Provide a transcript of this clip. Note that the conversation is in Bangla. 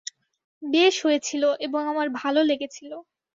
বেশ হয়েছিল এবং আমার ভাল লেগেছিল।